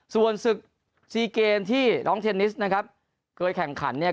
ส่วนศึกซีเกมที่น้องเทนนิสนะครับเคยแข่งขันเนี่ย